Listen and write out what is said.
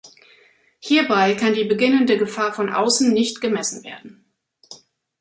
Hierbei kann die beginnende Gefahr von außen nicht gemessen werden.